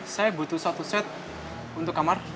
saya butuh satu set untuk kamar